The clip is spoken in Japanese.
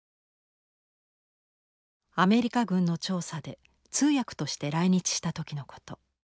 アメリカ軍の調査で通訳として来日した時のこと。